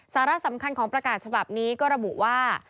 สาระสำคัญของประกาศฉบับนี้ก็ระบุว่า